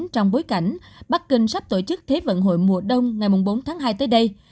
trong bối cảnh bắc kinh sắp tổ chức thế vận hội mùa đông ngày bốn tháng hai tới đây